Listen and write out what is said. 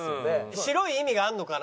白い意味があるのかな。